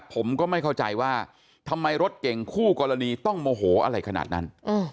ผมก็ไม่เข้าใจว่าทำไมรถเก่งคู่กรณีต้องโมโหอะไรขนาดนั้น